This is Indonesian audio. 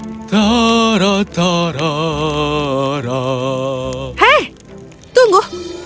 ini diserang kekurangan kapal kebijaksanaan tuanku